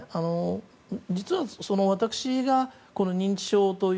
実は、私が認知症という。